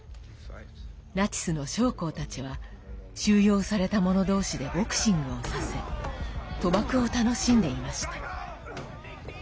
ナチスの将校たちは収容された者同士でボクシングをさせ賭博を楽しんでいました。